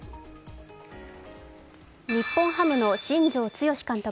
日本ハムの新庄剛志監督。